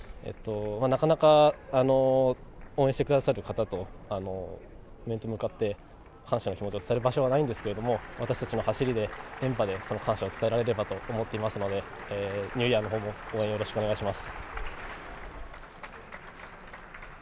なかなか応援してくださる方と、面と向かって感謝の気持ちを伝える場所がないんですけど連覇でその感謝を伝えられればと思っていますのでニューイヤーの方も、応援よろしくお願いします。